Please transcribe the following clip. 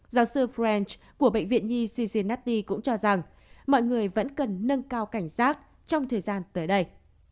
giáo sư french của bệnh viện nhi cincinnati cũng cho rằng mọi người vẫn cần nâng cao cảnh giác trong thời gian tới đây